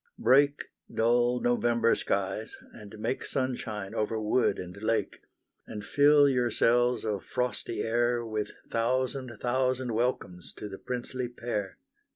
Break dull November skies, and make Sunshine over wood and lake, And fill your cells of frosty air With thousand, thousand welcomes to the Princely pair!